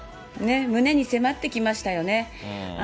胸に迫ってきましたよね。